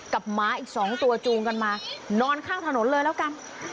หมาอีก๒ตัวจูงกันมานอนข้างถนนเลยแล้วกัน